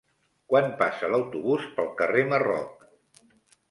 Quan passa l'autobús pel carrer Marroc?